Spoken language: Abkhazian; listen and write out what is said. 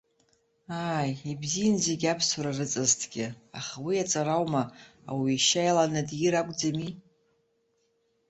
Ааи, ибзиан зегьы аԥсуара рызҵазҭгьы, аха уи аҵара ауама, ауаҩы ишьа иаланы диир акәӡами?